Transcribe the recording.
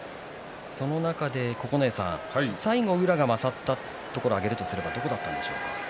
その中で、九重さん最後宇良が勝ったところを挙げるとすればどこだったんでしょうか。